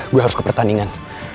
gue harus ke pertandingan